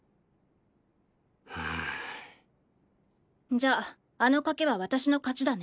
じゃああの賭けは私の勝ちだね。